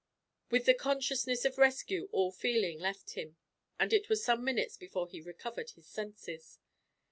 With the consciousness of rescue all feeling left him, and it was some minutes before he recovered his senses.